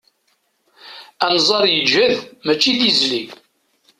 Anẓar yeǧhed mačči d izli.